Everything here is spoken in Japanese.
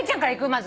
まず。